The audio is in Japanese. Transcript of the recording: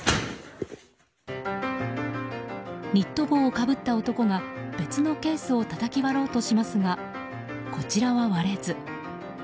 ニット帽をかぶった男が、別のケースをたたき割ろうとしますがこちらは割れず。